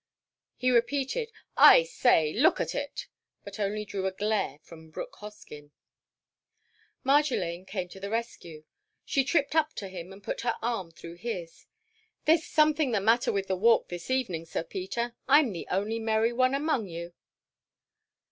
He repeated, "I say, look at it!" but only drew a glare from Brooke Hoskyn. Marjolaine came to the rescue. She tripped up to him and put her arm through his. "There 's something the matter with the Walk this evening, Sir Peter. I 'm the only merry one among you!"